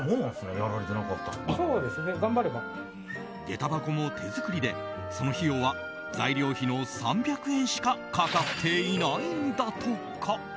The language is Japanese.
げた箱も手作りで、その費用は材料費の３００円しかかかっていないんだとか。